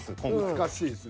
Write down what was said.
難しいですね。